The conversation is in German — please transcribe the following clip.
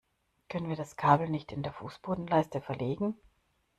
Können wir das Kabel nicht in der Fußbodenleiste verlegen?